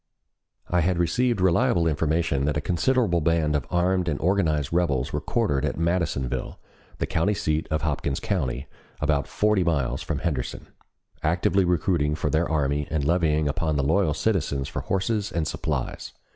I had received reliable information that a considerable band of armed and organized rebels were quartered at Madisonville, the county seat of Hopkins County, about forty miles from Henderson, actively recruiting for their army and levying upon the loyal citizens for horses and supplies.